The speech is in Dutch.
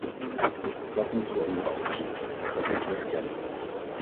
Dat moeten we onder ogen zien; dat moeten we erkennen.